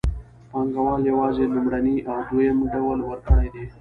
پانګوال یوازې لومړنی او دویم ډول ورکړي دي